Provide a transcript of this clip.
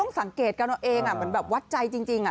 ต้องสังเกตกับเราเองวัดใจจริง